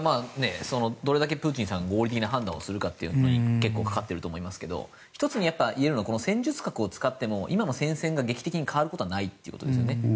どれだけプーチンさんが合理的な判断をするかに結構、かかっていると思いますけど１つに言えるのは戦術核を使っても今の戦線が劇的に変わることはないということですよね。